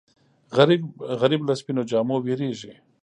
غریب له سپینو جامو وېرېږي